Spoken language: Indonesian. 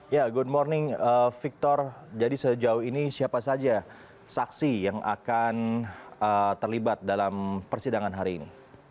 ya good morning victor jadi sejauh ini siapa saja saksi yang akan terlibat dalam persidangan hari ini